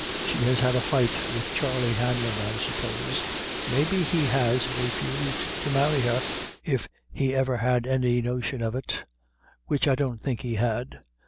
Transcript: She has had a fight with Charley Hanlon, I suppose; maybe he has refused to marry her, if he ever had any notion of it which I don't think he had."